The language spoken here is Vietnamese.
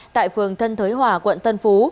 tại phường thân thới hòa quận tân phú